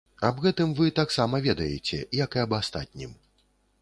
Аб гэтым вы таксама ведаеце, як і аб астатнім.